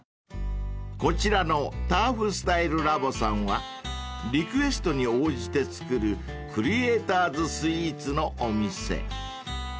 ［こちらのＴｕｒｆＳｔｙｌｅＬａｂ．さんはリクエストに応じて作るクリエーターズスイーツのお店］